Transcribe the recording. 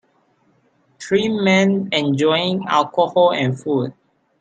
Three men enjoying alcohol and food.